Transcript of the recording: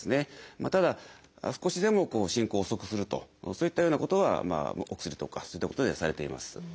ただ少しでも進行を遅くするとそういったようなことはお薬とかそういったことではされています。